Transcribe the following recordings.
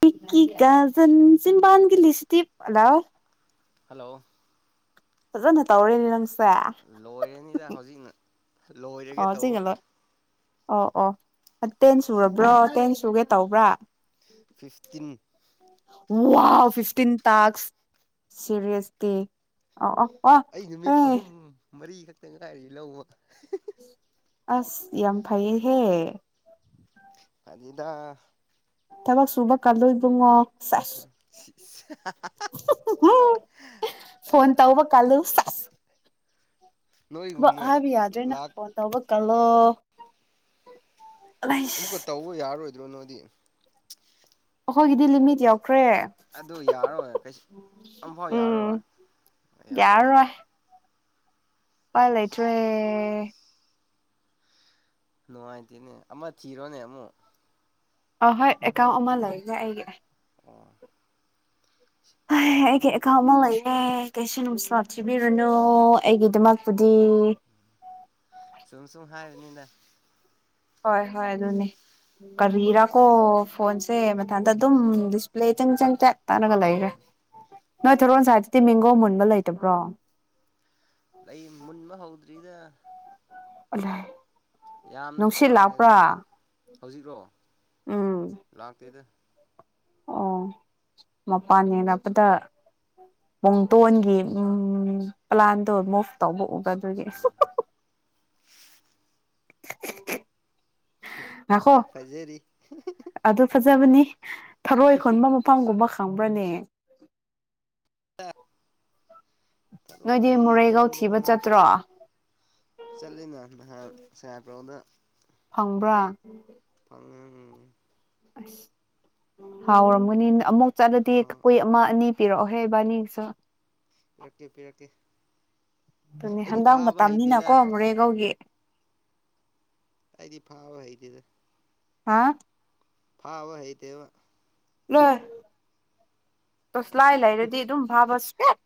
ꯃꯤꯀꯤ ꯀꯥꯖꯟ ꯆꯤꯟꯕꯥꯥꯟꯒꯤ ꯂꯤꯁꯇꯤꯛ hello hello ꯐꯖꯅ ꯇꯧꯔꯦꯅꯦ ꯅꯪꯁꯦ ꯂꯣꯏꯔꯅꯤꯗ ꯍꯧꯖꯤꯛꯅ ꯂꯣꯏꯔꯒꯦ ꯑꯣ ꯇꯧꯕ ꯆꯤꯡꯒꯂꯣꯏ ꯑꯣ ꯑꯣ ꯇꯦꯟ ꯁꯨꯔꯕ꯭ꯔꯣ ꯇꯦꯟ ꯁꯨꯒꯦ ꯇꯧꯕ꯭ꯔꯥ ꯐꯤꯐꯇꯤꯟ ꯋꯥꯎ ꯐꯤꯐꯇꯤꯟ ꯇꯥꯛꯁ ꯁꯦꯔꯤꯁꯇꯤ ꯑꯣ ꯑꯣ ꯑꯩ ꯅꯨꯃꯤꯠ ꯑꯦ ꯑꯍꯨꯝ ꯃꯔꯤ ꯈꯛꯇ ꯉꯥꯏꯔꯤ ꯂꯧꯕ ꯑꯁ ꯌꯥꯝꯝ ꯐꯩꯌꯦꯍꯦ ꯐꯅꯤꯗ ꯊꯕꯛ ꯁꯨꯕ ꯀꯜꯂꯣ ꯏꯕꯨꯡꯉꯣ ꯁꯦꯁ [inaudible] [unintelligible] ꯎꯝ ꯐꯣꯟ ꯇꯧꯕ ꯀꯜꯂꯨ ꯁꯦꯁ ꯊꯕꯛ ꯅꯣꯏꯒꯨꯝꯅ ꯍꯥꯏꯕ ꯌꯥꯗ꯭ꯔꯦꯅ ꯂꯥꯛ ꯐꯣꯟ ꯇꯧꯕ ꯀꯜ ꯂꯣ ꯑꯃꯨꯛꯀ ꯇꯧꯕ ꯌꯥꯔꯔꯣꯏ [unintelligible] ꯑꯣꯈꯣꯏꯒꯗꯤ ꯂꯤꯃꯤꯠ ꯌꯧ ꯑꯗꯨ ꯌꯥꯔꯣꯏ ꯀꯩꯁꯨ ꯑꯝꯐꯥꯎ ꯎꯝ ꯌꯥꯔꯔꯣꯏ ꯑꯌꯥ ꯌꯥꯔꯔꯣꯏ ꯎꯄꯥꯏ ꯂꯩꯇ꯭ꯔꯦ ꯅꯨꯡꯉꯥꯏꯇꯦꯅꯦ ꯑꯃ ꯊꯤꯔꯣꯅꯦ ꯑꯃꯨꯛ ꯑ ꯍꯣꯏ ꯑꯦꯀꯥꯎꯟ ꯑꯃ ꯂꯣꯏꯒ꯭ꯔꯦ ꯑꯩꯒꯤ ꯑꯣ ꯍꯦ ꯑꯩꯒꯤ ꯑꯦꯀꯥꯎꯟ ꯑꯠꯆꯥ ꯑꯃ ꯂꯩꯅꯦ ꯀꯩꯁꯨ ꯅꯨꯡꯁꯥ ꯊꯤꯕꯤꯔꯨꯅꯣ ꯑꯩꯒꯤꯗꯃꯄꯨꯗꯤ ꯁꯨꯝ ꯁꯨꯝ ꯍꯥꯏꯕꯅꯤꯗ ꯍꯣꯏ ꯍꯣꯏ ꯑꯗꯨꯅꯦ ꯀꯔꯤꯔꯥꯀꯣ ꯐꯣꯟꯁꯦ ꯃꯊꯟꯗ ꯑꯗꯨꯝ ꯗꯤꯁꯄ꯭ꯂꯦ ꯏ ꯆꯪ ꯆꯪ ꯆꯠ ꯇꯅꯒ ꯂꯩꯔꯦ ꯅꯣꯏ ꯊꯔꯣꯟ ꯁꯏꯠꯇꯗꯤ ꯃꯦꯡꯒꯣ ꯃꯨꯟꯕ ꯂꯩꯇꯕ꯭ꯔꯣ ꯂꯩ ꯃꯨꯟꯕ ꯍꯧꯗ꯭ꯔꯤꯗ ꯑꯂꯦ ꯌꯥꯝꯅꯁꯨ ꯄꯥꯟꯗꯦꯗ ꯍꯧꯖꯤꯛꯔꯣ ꯎꯝ ꯂꯥꯛꯇꯦꯗ ꯑꯣ ꯃꯄꯥꯟ ꯌꯦꯡꯛꯄꯗ ꯄꯨꯡꯇꯣꯟꯒꯤ ꯄ꯭ꯂꯥꯟꯗꯣ ꯃꯨꯚ ꯇꯧꯕ ꯎꯕ ꯑꯥꯗꯒꯤ ꯈ ꯈ ꯈ ꯍꯨꯝ ꯍꯨꯃ ꯍꯨꯝ ꯐꯖꯔꯤ ꯑꯗꯨ ꯐꯖꯕꯅꯤ ꯊꯔꯣꯏ ꯈꯨꯨꯟꯕ ꯃꯐꯝꯒꯨꯝꯕ ꯈꯪꯕ꯭ꯔꯅꯦ ꯇ ꯅꯣꯏꯗꯤ ꯇꯔꯣꯏ ꯃꯣꯔꯦꯒꯥꯎ ꯈꯨꯟꯕ ꯊꯤꯕ ꯆꯠꯇ꯭ꯔꯣ ꯆꯠꯂꯤꯅ ꯅꯍꯥꯟ ꯁꯦꯄꯔꯣꯅ ꯐꯪꯕ꯭ꯔꯥ ꯑꯁ ꯍꯥꯎꯔꯝꯒꯅꯤ ꯑꯃꯨꯛ ꯆꯠꯂꯗꯤ ꯀꯣꯏ ꯑꯃ ꯑꯅꯤ ꯄꯤꯔꯛꯑꯣꯍꯦ ꯏꯕꯥꯅꯤꯁꯨ ꯄꯤꯔꯛꯀꯦ ꯄꯤꯔꯛꯀꯦ ꯑꯗꯨꯅꯦ ꯑꯩꯗꯤ ꯍꯟꯗꯥꯡ ꯐꯥꯕ ꯍꯩꯇꯦꯗ ꯃꯇꯝꯅꯤꯅꯀꯣ ꯃꯣꯔꯦꯒꯧꯒꯤ ꯑꯩꯗꯤ ꯐꯕ ꯍꯩꯇꯦꯗ ꯍꯥꯎ ꯐꯥꯕ ꯍꯩꯇꯦꯕ ꯅꯣꯏ ꯇꯣꯁꯂꯥꯏ ꯂꯩꯥꯏꯔꯗꯤ ꯑꯗꯨꯝ ꯐꯥꯕ ꯁꯦꯠ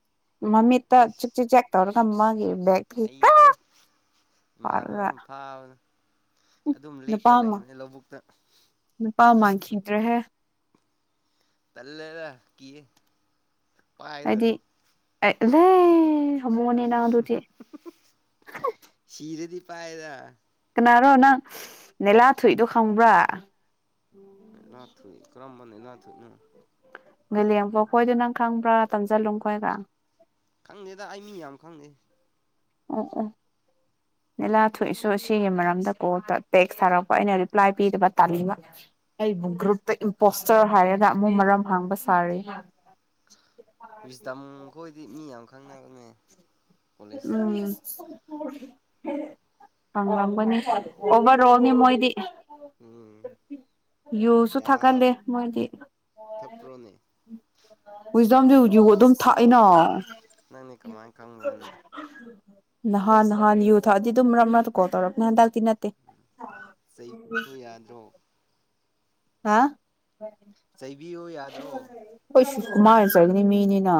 ꯃꯃꯤꯠꯇ ꯆꯤꯞ ꯆꯤ ꯆꯦꯛ ꯇꯧꯔꯣ ꯊꯝꯃꯒꯦ ꯑꯩꯗꯤ ꯄꯥꯔꯒ ꯏꯃꯥꯟꯅꯕꯝ ꯐꯥꯕ ꯑꯗꯨꯝ ꯅꯨꯄꯥ ꯂꯦꯞꯄ ꯑꯃ ꯂꯩꯕꯅꯦ ꯂꯧꯕꯨꯛꯇ ꯅꯨꯄꯥ ꯃꯥꯟꯈꯤꯗ꯭ꯔꯦꯍꯦ ꯇꯜꯂꯦꯗ ꯀꯤꯌꯦ ꯄꯥꯏꯒꯥꯗꯣꯔꯤꯅ ꯍꯅꯦ ꯅꯪ ꯑꯗꯨꯗꯤ ꯁꯤꯔꯗꯤ ꯄꯥꯏꯗ ꯔꯣ ꯅꯪ ꯃꯦꯂꯥ ꯊꯨꯛꯏꯗꯣ ꯈꯪꯕ꯭ꯔꯥ ꯂ ꯊ ꯀꯔ ꯃꯅꯦ ꯂꯥꯛ ꯊꯅ ꯂ ꯂꯦꯡꯕꯣ ꯑꯩꯈꯣꯏꯗꯣ ꯅꯪ ꯈꯪꯕ꯭ꯔꯥ ꯇꯝꯁꯤꯜꯂꯨ ꯈꯣꯏꯒ ꯈꯪꯗꯦꯗ ꯑꯩ ꯃꯤ ꯌꯥꯝ ꯈꯪꯗꯦ ꯑꯣ ꯑꯣ ꯂꯤꯂꯥ ꯊꯣꯛꯏꯁꯨ ꯁꯤꯒꯤ ꯃꯔꯝꯗ ꯀꯣ ꯇꯦꯛꯁ ꯊꯔꯛꯄ ꯑꯩꯅ ꯔꯤꯄ꯭ꯂꯥꯏ ꯄꯤꯗꯕ ꯇꯥꯜꯂꯤꯕ ꯑꯩꯕꯨ ꯒ꯭ꯔꯨꯞꯇ ꯏꯝꯄꯣꯁꯇꯔ ꯍꯥꯏꯔꯒ ꯑꯃꯨꯛ ꯃꯔꯝ ꯍꯥꯡꯕ ꯁꯥꯔꯤ ꯍꯧꯖꯤꯇꯝ ꯈꯣꯏꯗꯤ ꯃꯤ ꯌꯥꯝ ꯈꯪꯅꯕꯅꯦ ꯀꯣꯂꯦꯖꯇ ꯎꯝ ꯍꯪꯥꯡꯕꯅꯤ ꯑꯣꯚꯔ ꯑꯣꯜꯅꯤ ꯃꯣꯏꯗꯤ ꯎꯝ ꯨꯌꯨꯁꯨ ꯌꯥ ꯊꯥꯛꯀꯜꯂꯦ ꯃꯣꯏꯗꯤ ꯊꯛꯄ꯭ꯔꯣꯅꯦ ꯖꯤꯝ ꯅꯪꯗꯤ ꯨ ꯑꯗꯨꯝ ꯊꯥꯛꯏꯅꯣ ꯄꯨꯔꯅꯦ ꯅꯍꯥꯟ ꯅꯍꯥꯟ ꯌꯨ ꯊ ꯑꯗꯨꯗꯤ ꯑꯗꯨꯝ ꯀꯣ ꯇꯧꯔ ꯅ ꯆꯩꯕ ꯌꯥꯗ꯭ꯔꯣ ꯍꯥ ꯆꯩꯕꯤꯌꯨ ꯌꯥꯗ꯭ꯔꯣ ꯀꯣꯏꯁꯨꯨ ꯀꯨꯃꯥ ꯀꯥꯏꯅꯤ ꯃꯤꯅꯤꯅ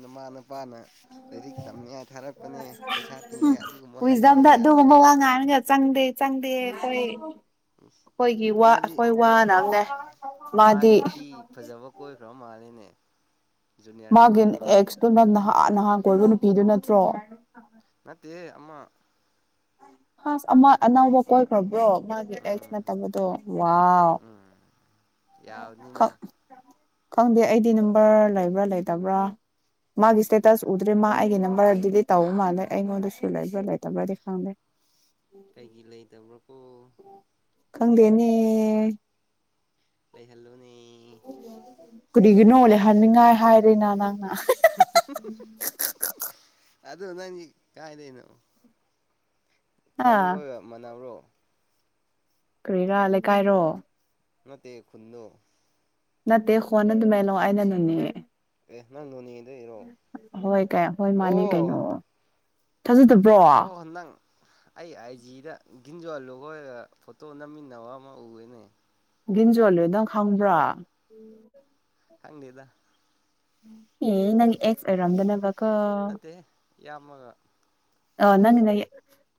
ꯃꯤ ꯃꯥꯅ ꯅꯨꯄꯥꯅ ꯂꯥꯏꯔꯤꯛ ꯇꯝꯅꯤꯉꯥꯏ ꯊꯥꯔꯛꯄꯅꯦ ꯄꯩꯁꯥ ꯇꯤꯡꯉꯉꯥꯏ ꯑꯗꯨꯒꯨꯝꯕ ꯍꯥꯏꯖꯤꯟꯕ ꯌꯥꯗ꯭ꯔꯣ ꯆꯪꯗ ꯆꯪꯗ ꯇꯌꯦ ꯎ ꯃꯥꯗꯤ ꯋꯥꯅꯕꯅꯦ ꯃꯥꯗꯤ ꯅꯨꯄꯤ ꯐꯖꯕ ꯀꯣꯏꯈ꯭ꯔꯕ ꯃꯥꯂꯦꯅꯦ ꯃꯥꯒꯤꯅꯦ ꯑꯦꯁꯅ ꯑꯥ ꯅꯍꯥꯟ ꯀꯣꯏꯕ ꯅꯨꯄꯤꯗꯨ ꯅꯠꯇ꯭ꯔꯣ ꯉꯅꯥꯠꯇꯦ ꯑꯃ ꯍ ꯑꯃ ꯑꯅꯧꯕ ꯀꯣꯏꯈ꯭ꯔꯕ꯭ꯔꯣ ꯃꯥꯒꯤ ꯎꯝ ꯅꯗꯣ ꯋꯥ ꯎꯝ ꯌꯥꯕꯅꯤꯅꯦ ꯈꯪꯗꯦ ꯑꯩꯗꯤ ꯅꯝꯕꯔ ꯂꯩꯕ꯭ꯔꯥ ꯂꯩꯇꯕ꯭ꯔꯥ ꯃꯥꯒꯤ ꯏꯁꯇꯦꯇꯁ ꯎꯗ꯭ꯔꯦ ꯃꯥ ꯑꯩꯒꯤ ꯅꯝꯕꯔ ꯗꯤꯂꯤꯠ ꯇꯧꯕ ꯃꯥꯜꯂꯦ ꯑꯩꯉꯣꯟꯗꯁꯨ ꯂꯩꯕ꯭ꯔꯥ ꯂꯩꯇꯕ꯭ꯔꯗꯤ ꯈꯪꯗꯦ ꯀꯩꯒꯤ ꯂꯩꯇꯕ꯭ꯔꯣ ꯈꯪꯗꯦꯅꯦ ꯂꯩ ꯆꯜꯂ ꯀꯔꯤꯒꯤꯅꯣ ꯂꯩꯍꯟꯅꯤꯡꯉꯥꯏ ꯍꯥꯏꯔꯦꯅ ꯅꯪꯅ ꯑꯗ ꯅ ꯀꯥꯏꯗꯩꯅꯣ ꯑ ꯈꯟꯈꯣꯏꯕ ꯃꯅꯥꯅꯕ꯭ꯔꯣ ꯀꯔꯤꯔꯥ ꯂꯩꯀꯥꯏꯔꯣ ꯅꯠꯇ ꯈꯨꯨꯟꯅꯣ ꯅ ꯇꯦ ꯍꯣꯟꯅ ꯑꯗꯨ ꯃꯦꯂꯣ ꯑꯅ ꯅꯅꯤ ꯑꯦ ꯅꯪ ꯅꯣꯅꯦꯗꯩꯔꯣ ꯍꯣꯏ ꯍꯣꯏ ꯃꯥꯅꯤ ꯑꯣ ꯀꯩꯅꯣ ꯊꯥꯖꯗꯕ꯭ꯔꯣ ꯑꯣ ꯅꯪ ꯑꯩ ꯑꯥꯏꯖꯤꯗ ꯂꯣ ꯐꯣꯇꯣ ꯑꯣꯅ ꯃꯤ ꯅ ꯎꯦꯅꯦ ꯒꯤꯟꯖꯣꯜꯂ ꯅꯪ ꯈꯪꯕ꯭ꯔꯥ ꯍꯪꯦꯗ ꯑꯦ ꯅꯪ ꯑꯦꯛꯁ ꯔꯝꯗꯅꯕ ꯃꯠꯇꯦ ꯌꯥꯝꯃꯒ ꯑ ꯅꯪꯅ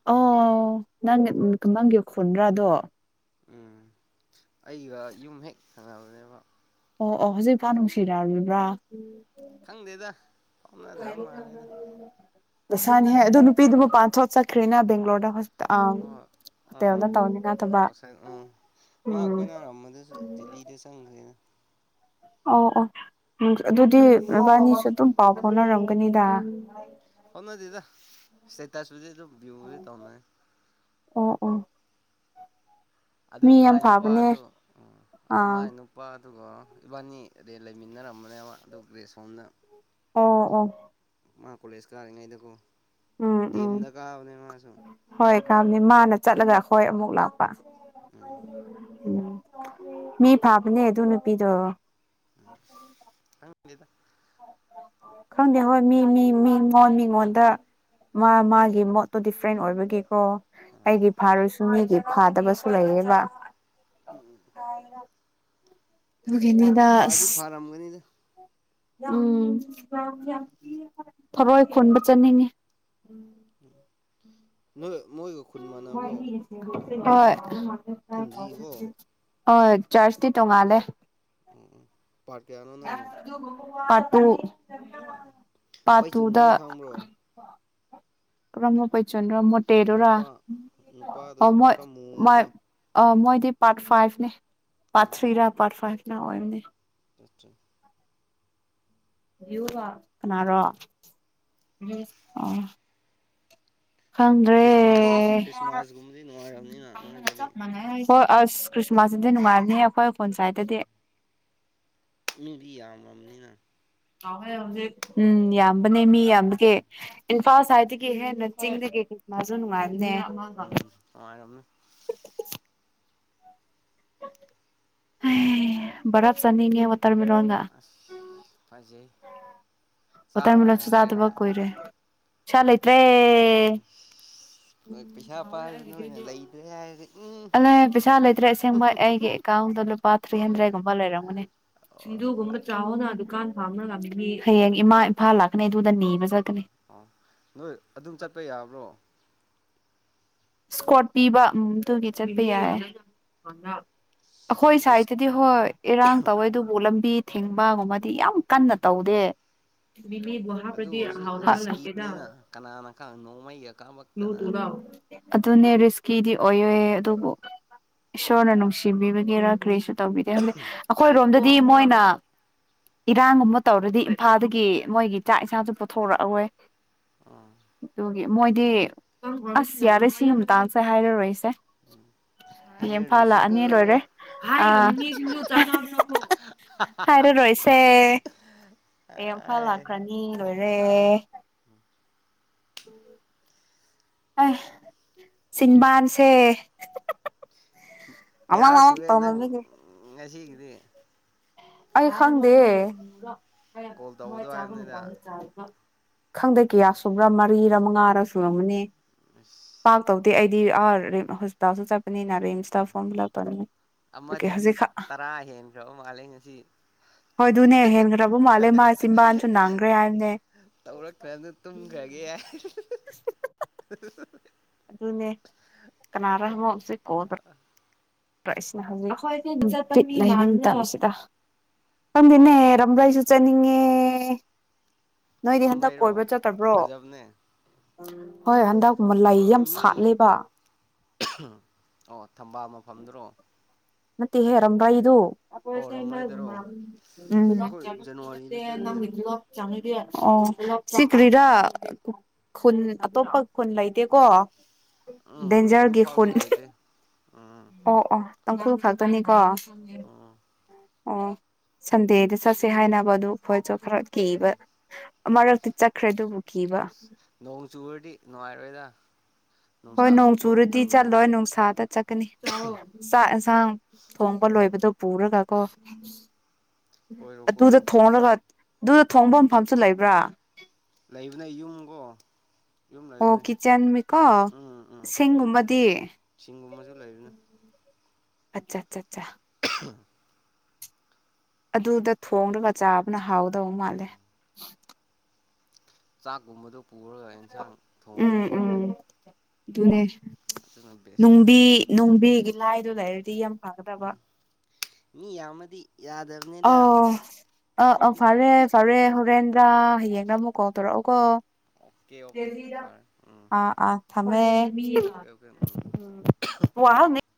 ꯑꯣ ꯅꯪ ꯅꯪꯒꯤ ꯈꯨꯟꯗ꯭ꯔꯥꯗꯣ ꯎꯝ ꯑꯩꯒ ꯌꯨꯝ ꯍꯦꯛ ꯈꯪꯉꯕꯅꯦꯕ ꯑꯣ ꯑꯣ ꯍꯧꯖꯤꯛ ꯏꯐꯥ ꯅꯨꯡꯁꯤꯔꯛꯕ꯭ꯔꯥ ꯈꯪꯗꯦꯗ ꯍꯥꯎꯅꯗ꯭ꯔꯕ ꯃꯥꯜꯂꯦꯗ ꯂꯁꯥꯅꯤ ꯍꯥꯏ ꯑꯗꯣ ꯅꯨꯄꯤꯗꯨ ꯃ ꯄꯄꯥꯟ ꯊꯣꯛꯠ ꯆꯠꯈ꯭ꯔꯦꯅ ꯕꯦꯡꯒꯣꯔꯗ ꯍꯣꯏ ꯍꯣꯏ ꯎꯝ ꯊꯕ ꯑꯥꯎꯁꯥꯏꯠ ꯎꯝ ꯃꯥ ꯎꯝ ꯑꯩꯈꯣꯏ ꯅꯥꯔꯝꯕꯗꯁꯨ ꯗꯗꯤꯜꯂꯤꯗ ꯆꯪꯈ꯭ꯔꯦꯅ ꯑ ꯑꯣ ꯑꯗꯨꯗꯤ ꯏꯕꯥꯅꯤꯁꯨ ꯑꯗꯨꯝ ꯄꯥꯎ ꯐꯥꯎꯅꯔꯝꯒꯅꯤꯗ ꯍꯅꯗꯗ ꯁꯇꯥ ꯁ ꯑꯗꯨ ꯕꯨꯔꯤ ꯇꯧꯃꯦ ꯎ ꯎ ꯑꯗꯨ ꯃꯥꯏ ꯅꯨꯄꯥꯗꯨ ꯎ ꯑꯥ ꯃꯥꯏ ꯅꯨꯄꯥ ꯑꯗꯨꯒ ꯏꯕꯥꯅꯤ ꯑꯩ ꯂꯩꯃꯤꯟꯅꯔꯝꯕꯅꯦꯕ ꯑꯗꯨ ꯒ꯭ꯔꯦꯁ ꯍꯣꯝꯅ ꯑꯥ ꯑ ꯃꯥ ꯀꯂꯦꯁ ꯀꯥꯔꯤꯉꯥꯏꯗꯒꯣ ꯎꯝ ꯦꯝꯗ ꯀꯥꯅꯦ ꯃꯥꯁꯨ ꯀꯕꯅꯤ ꯃꯥꯅ ꯆꯠꯂꯒ ꯑꯩꯈꯣꯏ ꯑꯃꯨꯛ ꯂꯥꯛꯑꯣ ꯎꯝ [inaudible] ꯎꯝ ꯃꯤ ꯐꯥꯕꯅꯦ ꯑꯗꯨ ꯅꯨꯄꯤꯗꯣ ꯑ ꯌꯦꯗ ꯈꯪꯗ ꯍ ꯃꯤ ꯃꯤ ꯃꯤ ꯉꯣꯟ ꯃꯤꯉꯣꯟꯗ ꯃꯥ ꯃꯥꯒꯤ ꯃꯣꯠꯇꯣ ꯗꯤꯐ꯭ꯔꯦꯟ ꯑꯣꯏꯕꯒꯤꯀꯣ ꯑ ꯑꯩꯗꯤ ꯐꯥꯔꯨꯁꯨ ꯃꯤꯒꯤ ꯐꯥꯗꯕꯁꯨ ꯂꯩꯌꯦꯕ ꯎꯝ ꯀꯅ ꯐꯗꯤ ꯒꯅꯤꯗꯥꯥꯁ ꯐꯥꯔꯝꯒꯅꯤꯗ ꯎꯝ ꯊꯔꯏ ꯈꯣꯟꯕ ꯆꯠꯅꯤꯡꯉꯤ ꯎꯝ ꯅꯣꯏ ꯃꯣꯏꯒ ꯈꯨꯟ ꯃꯥꯟꯅꯕ꯭ꯔꯣ ꯍꯣꯏ ꯈꯨꯝꯖꯤꯀꯣ [unintelligible] ꯍꯣꯏ ꯆ꯭ꯔꯁꯇꯤ ꯇꯣꯡꯉꯥꯜꯂꯦ ꯎꯝ ꯎꯝ ꯄꯥꯔꯠ ꯀꯌꯥꯅꯣ [unintelligible] ꯄꯥꯔꯠ ꯇꯨ ꯄꯥꯔꯠ ꯄꯩꯆꯨꯅꯨꯍꯣꯏ ꯈꯪꯕ꯭ꯔꯣ ꯀꯔꯝꯕ ꯄꯩꯆꯨ ꯔꯟꯔ ꯃꯣꯇꯦꯗꯨꯔꯥ ꯅꯨꯄꯥ ꯅꯨꯄꯥꯗꯣ ꯑꯥꯎ ꯃꯣꯏ ꯈꯔ ꯃꯥꯏ ꯃꯨꯕꯗꯣ ꯑ ꯃꯣꯏ ꯄꯥꯔꯠ ꯐꯥꯏꯚꯅꯦ ꯄꯥꯔꯠ ꯎꯝ ꯊ꯭ꯔꯤ ꯎꯝ ꯔꯥ ꯄꯥꯔꯠ ꯐꯥꯏꯚ ꯅꯥ ꯑꯣꯏꯕꯅꯦ [unintelligible] ꯕ꯭ꯌꯨꯒ ꯀꯅꯥꯔꯣ ꯌꯨꯝꯁ ꯑꯣ ꯈꯪꯗ꯭ꯔꯦ ꯈ꯭ꯔꯤꯁꯃꯥꯁ ꯑꯦꯐꯤꯁꯥꯔ ꯈ꯭ꯔꯤꯁꯃꯥꯁꯒꯨꯝꯕꯗꯤ ꯅꯨꯡꯉꯥꯏꯔꯝꯅꯤꯅ ꯄꯥꯝꯔꯒ ꯅꯣꯏꯗꯗꯤ ꯆꯞ ꯃꯥꯟꯅꯔꯦ ꯍꯣꯏ ꯑꯁ ꯈ꯭ꯔꯤꯁꯃꯥꯁꯇꯗꯤ ꯅꯨꯡꯉꯥꯏꯕꯅꯤꯍꯦ ꯑꯈꯣꯏ ꯐꯣꯟ ꯁꯥꯏꯗꯇꯗꯤ ꯃꯤꯗꯤ ꯌꯥꯝꯃꯝꯅꯤꯅ ꯀꯥꯎꯍꯦ ꯍꯧꯖꯤꯛ ꯎꯝ ꯌꯥꯝꯕꯅꯦ ꯃꯤ ꯌꯥꯝꯕꯒꯤ ꯏꯝꯐꯥꯜ ꯁꯥꯏꯠꯇꯒꯤ ꯍꯦꯟꯅ ꯆꯤꯡꯗꯒꯤ ꯈ꯭ꯔꯤꯁꯃꯥꯁꯁꯨ ꯅꯨꯡꯉꯥꯏ ꯕꯅꯦ ꯅ ꯑꯃꯒ ꯎꯝ ꯅꯨꯡꯉꯥꯏꯔꯝꯅꯤ ꯍꯩ ꯕꯔꯐ ꯆꯥꯅꯤꯡꯉꯦ ꯋꯥꯠ ꯇꯔꯃꯤꯔꯣꯟꯒ ꯑꯁ ꯐꯖꯩ ꯆꯥꯔꯨꯔꯣꯅꯦ ꯋꯥꯇꯔꯃꯦꯂꯣꯟꯁꯨ ꯆꯥꯗꯕ ꯂꯩꯔꯒ ꯀꯨꯏꯔꯦ ꯁꯥ ꯂꯩꯇ꯭ ꯔꯦ ꯎꯝ ꯎꯝ ꯅꯣꯏ ꯄꯩꯁꯥ ꯍꯥꯎꯔꯦ ꯄꯥꯏꯕ ꯅꯣꯏꯅ ꯑꯩꯒꯤꯗꯤ ꯂꯩꯇ꯭ꯔꯦ ꯍꯥꯏꯔꯗꯤ ꯎꯝ ꯑꯗꯨ ꯑꯂꯩ ꯄꯩꯁꯥ ꯂꯩꯇ꯭ꯔꯦ ꯑꯁꯦꯡꯕ ꯑꯩꯒꯤ ꯑꯦꯀꯥꯎꯟꯗ ꯂꯨꯄꯥ ꯊ꯭ꯔꯤ ꯍꯟꯗ꯭ꯔꯦꯗꯀꯨꯝꯕ ꯂꯩꯔꯝꯒꯅꯤ ꯑꯣ ꯁꯤꯡꯖꯨꯒꯨꯝꯕ ꯆꯥꯋꯣꯅ ꯗꯨꯀꯥꯟ ꯐꯝꯔꯒ ꯃꯤ ꯃꯤ ꯍꯌꯦꯡ ꯏꯃꯥ ꯏꯝꯐꯥꯜ ꯂꯥꯛꯀꯅꯤ ꯑꯗꯨꯗ ꯅꯤꯕ ꯆꯠꯀꯅꯤ ꯑꯣ ꯅꯣꯏ ꯑꯗꯨꯝ ꯆꯠꯄ ꯌꯥꯕ꯭ꯔꯣ ꯏꯁꯀ꯭ꯋꯣꯔꯠ ꯄꯤꯕ ꯎꯝ ꯑꯗꯨꯒꯤ ꯆꯠꯄ ꯌꯥꯏ ꯑꯈꯣꯏ ꯔꯤꯛꯁ ꯁꯥꯏꯗꯇꯗꯤ ꯍꯣꯏ ꯏꯔꯥꯡ ꯇꯧꯋꯦ ꯑꯗꯨꯕꯨ ꯂꯝꯕꯤ ꯊꯤꯡꯕꯒꯨꯝꯕꯗꯤ ꯌꯥꯝ ꯀꯟꯅ ꯇꯧꯗꯦ ꯑꯗꯨ ꯑꯣꯏꯔꯁꯨ ꯔꯤꯁꯀꯤꯅꯦꯅ ꯀꯅꯥꯅ ꯈꯪ ꯅꯣꯡꯃꯩꯒ ꯀꯥꯞꯂꯛꯇꯅ ꯑꯗꯨꯅꯦ ꯔꯤꯁꯀꯤꯗꯤ ꯑꯣꯏꯌꯣꯏ ꯑꯗꯨꯕꯨ ꯏꯁꯣꯔꯅ ꯅꯨꯡꯁꯤꯕꯤꯕꯒꯤꯔꯥ ꯀꯔꯤꯁꯨ ꯇꯧꯕꯤꯗꯦ ꯍꯥꯏꯕꯗꯤ ꯑꯈꯣꯏꯔꯣꯝꯗꯗꯤ ꯃꯣꯏꯅ ꯏꯔꯥꯡꯒꯨꯝꯕ ꯇꯧꯔꯗꯤ ꯏꯝꯐꯥꯜꯗꯒꯤ ꯃꯣꯏꯒꯤ ꯆꯥꯛ ꯏꯟꯁꯥꯡꯁꯨ ꯄꯨꯊꯣꯔꯛꯑꯋꯣꯏ ꯑꯥ ꯑꯗꯨ ꯃꯣꯏꯗꯤ ꯑꯁ ꯌꯥꯔꯦ ꯁꯤ ꯃꯇꯥꯡꯁꯦ ꯍꯥꯏꯔꯥꯔꯣꯏꯁꯦ ꯏꯝꯐꯥꯜ ꯍꯥꯏꯔꯔꯣꯏꯁꯤꯀꯣ ꯂꯥꯛꯑꯅꯤ ꯂꯣꯏꯔꯦ ꯑ ꯍꯥꯏꯔꯔꯣꯏꯁꯦ ꯑꯦ ꯏꯝꯐꯥꯜ ꯂꯥꯛꯈ꯭ꯔꯅꯤ ꯂꯣꯏꯔꯦ ꯑ ꯎꯝ ꯑ ꯆꯤꯟꯕꯥꯟꯁꯦ ꯀꯌꯥꯔꯛ ꯁꯨꯔꯦ ꯅꯪ ꯉꯁꯤ ꯎꯟ ꯑꯩ ꯈꯪꯗꯦ ꯍ ꯀꯣꯜ ꯃꯣꯏ ꯇꯧꯕꯗꯣ ꯆꯥꯕ ꯍꯥꯏꯕꯅꯤꯗ ꯃꯇꯝꯗ ꯆꯥꯕꯗꯣ ꯈꯪꯗꯦ ꯀꯌꯥ ꯁꯨꯕ꯭ꯔꯥ ꯃꯔꯤꯔ ꯃꯉꯥꯔꯥ ꯁꯨꯔꯝꯒꯅꯤ ꯄꯥꯥꯛ ꯑꯁ ꯇꯧ ꯑꯩꯗꯤ ꯑꯥꯔ ꯍꯣꯁꯄ꯭ꯤꯇꯜ ꯁꯨ ꯆꯠꯄꯥ ꯑꯩꯅꯥ ꯔꯤꯁ ꯑꯃꯗꯨꯗꯤ ꯇꯔꯥ ꯍꯦꯟꯈꯔ꯭ ꯕꯥ ꯃꯥꯂꯦꯅꯤ ꯍꯣꯏ ꯑꯗꯨꯅꯦ ꯍꯦꯟꯈ꯭ꯔꯕ ꯃꯥꯜꯂꯦ ꯃꯥ ꯆꯤꯕꯥꯟꯁꯨ ꯅꯥꯡꯈ꯭ꯔꯦ ꯍꯥꯏꯕꯅꯦ ꯍꯦ ꯑꯗꯨꯅꯦ ꯀꯅꯥꯔ ꯑꯃꯣꯁ ꯀꯣꯕ꯭ꯔꯥ ꯁꯁꯤꯗꯟꯅꯅꯦ ꯔꯝꯥꯏꯁꯨ ꯆꯅꯤꯡꯉꯦ ꯅꯣꯏꯗꯤ ꯍꯟꯗꯛ ꯑꯃꯔꯩꯔꯣ ꯀꯣꯏꯕ ꯆꯠꯇꯕ꯭ꯔꯣ ꯐꯖꯕꯅꯦ ꯍꯣꯏ ꯍꯟꯗꯛꯀ ꯂꯩ ꯑꯣꯏꯕ ꯌꯥꯝ ꯃꯤ ꯁꯥꯠꯂꯦꯕ ꯑꯣ ꯊꯝꯕꯥꯜ ꯃꯐꯝꯗꯨꯔꯣ ꯃꯠꯇꯦ ꯍꯦ ꯔꯝ꯭ꯔꯥ ꯏꯗꯨ ꯁ ꯑꯣ ꯔꯝꯔꯩꯗꯔꯣ ꯑꯩꯈꯣꯏ ꯆ ꯖꯅꯋꯥꯔꯤꯗ ꯆꯠꯂꯦ ꯑꯣ ꯁꯤ ꯀ꯭ꯔꯤꯔꯥ ꯈꯨꯟ ꯑꯇꯣꯞꯄ ꯈꯨꯟ ꯂꯩꯇꯦꯀꯣ ꯎꯝ ꯑꯗꯨ ꯗꯦꯟꯖꯔꯒꯤ ꯐꯥꯎꯗꯤ ꯈꯨꯟ ꯂꯩꯇꯦ ꯎꯝ ꯑꯣ ꯑꯣ ꯇꯥꯡꯈꯨꯜ ꯈꯛꯇꯅꯤꯀꯣ ꯎ ꯎꯝ ꯑꯣ ꯁꯟꯗꯦꯗ ꯆꯠꯁꯦ ꯍꯥꯏꯅꯕ ꯑꯗꯨ ꯑꯩꯈꯣꯏꯁꯨ ꯈꯔ ꯀꯤꯕ ꯃꯔꯛꯇꯤ ꯆꯠꯈ꯭ꯔꯦ ꯑꯗꯨꯕꯨ ꯀꯤꯕ ꯅꯣꯡ ꯆꯨꯨꯔꯗꯤ ꯅꯨꯡꯉꯥꯏꯔꯣꯏꯗ ꯅꯨꯡꯁꯥ ꯍꯣꯏ ꯅꯣꯡ ꯊꯣꯛꯄ ꯆꯨꯔꯗꯤ ꯃꯇꯝꯗꯅ ꯆꯠꯂꯣꯏ ꯅꯨꯡꯁꯥꯗ ꯆꯠꯀꯅꯤ ꯆꯥꯛ ꯌꯦꯟꯁꯥꯡ ꯊꯣꯡꯕ ꯂꯣꯏꯕꯗꯣ ꯄꯨꯔꯒ ꯀꯐ ꯀꯣꯏꯔꯣ ꯑꯗꯨꯗ ꯀꯣꯏꯔꯣ ꯊꯣꯡꯅꯕ ꯑꯗꯨꯗ ꯊꯣꯡꯕ ꯃꯥꯐꯝꯁꯨ ꯂꯩꯕ꯭ꯔꯥ ꯂꯩꯕꯅꯦ ꯌꯨꯝ ꯀꯣ ꯌꯨꯝ ꯑꯣ ꯂꯩꯕꯅꯦ ꯀꯤꯠꯆꯟ ꯃꯤꯀꯣ ꯎꯝ ꯁꯤꯡꯒꯨꯝꯕꯗꯤ ꯂꯩꯕꯅ ꯑꯠꯆꯥ ꯆꯥ ꯆꯥ ꯍ [unintelligible] ꯑꯗꯨꯗ ꯊꯣꯡꯂꯒ ꯆꯥꯕꯅ ꯍꯥꯎꯗꯧꯕ ꯃꯥꯜꯂꯦ ꯆꯥꯛꯒꯨꯝꯃꯗꯨ ꯄꯨꯔꯒ ꯑꯦꯟꯁꯥꯡ ꯎꯝ ꯊꯣꯡꯉꯒꯀꯣ ꯎꯝ ꯑꯗꯨꯅꯦ ꯑꯗꯨꯅ ꯕꯦꯁ ꯇꯥꯔꯦ ꯅꯨꯡꯕꯤ ꯅꯨꯡꯕꯤꯒꯤ ꯂꯥꯏꯗꯨꯣ ꯂꯩꯔꯛ [unintelligible] ꯌꯝ ꯐꯥꯒꯗꯕ ꯎꯝ ꯃꯤ ꯌꯥꯃꯗꯤ ꯑꯣ ꯑ ꯑ ꯄꯤꯛ ꯐꯥꯔꯦ ꯐꯔꯦ ꯄꯤꯛꯄꯒꯤꯅꯤ ꯍꯔꯦꯟ ꯇꯥ ꯍꯌꯦꯡꯅ ꯑꯃꯨꯛ ꯀꯣꯜ ꯇꯧꯔꯛ ꯑꯣꯀꯣ ꯑꯣ ꯀꯦ ꯑꯣ ꯀꯦ ꯐꯔꯦ ꯎꯝ ꯑꯥ ꯑꯥ ꯊꯝꯃꯦ ꯑꯣꯀꯦ ꯑꯣꯀꯦ ꯎꯝ ꯎꯝ [unintelligible]